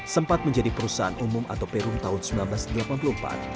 sempat menjadi perusahaan umum atau perum tahun seribu sembilan ratus delapan puluh empat